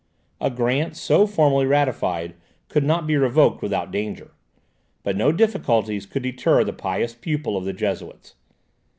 A grant so formally ratified could not be revoked without danger; but no difficulties could deter the pious pupil of the Jesuits.